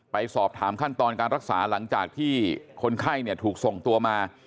ไปสอบถามขั้นตอนการรักษาหลังจากที่คนไข้ถูกส่งตัวมา